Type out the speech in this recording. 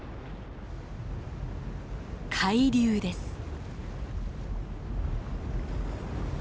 海流です。